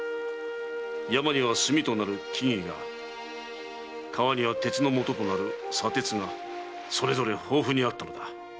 山には「炭」となる木々が川には「鉄」のもととなる砂鉄がそれぞれ豊富にあったのだ。